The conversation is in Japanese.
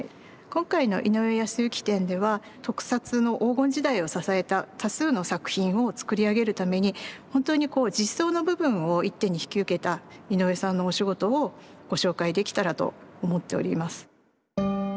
今回の井上泰幸展では特撮の黄金時代を支えた多数の作品を作り上げるために本当にこう実装の部分を一手に引き受けた井上さんのお仕事をご紹介できたらと思っております。